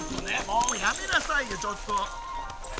もうやめなさいよちょっと！